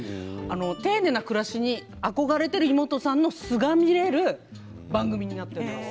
丁寧な暮らしに憧れているイモトさんの素が見られる番組になっています。